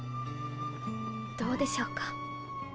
どうでしょうか。